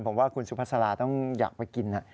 ผมว่าคุณซุภาษาราธุ์ต้องอยากไปกินค่ะ